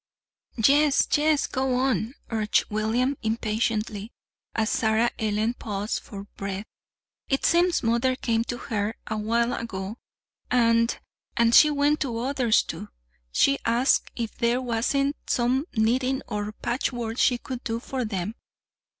"Yes, yes, go on," urged William impatiently, as Sarah Ellen paused for breath. "It seems mother came to her a while ago, and and she went to others, too. She asked if there wasn't some knitting or patchwork she could do for them.